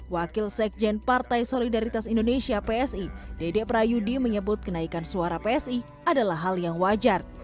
wakil sekjen partai solidaritas indonesia psi dede prayudi menyebut kenaikan suara psi adalah hal yang wajar